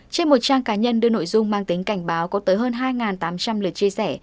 trên một trang cá nhân đưa nội dung mang tính cảnh báo có tới hơn hai tám trăm linh lượt chia sẻ